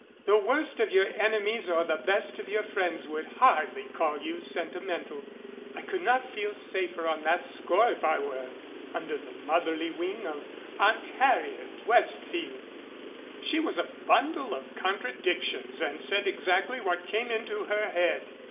"The worst of your enemies or the best of your friends would hardly call you sentimental. I could not feel safer on that score if I were under the motherly wing of Aunt Harriett Westfield !" She was a bundle of contradictions and said exactly what came into her head.